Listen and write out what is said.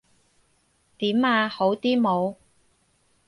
點呀？好啲冇？